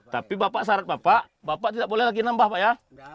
tapi bapak syarat bapak bapak tidak boleh lagi nambah pak ya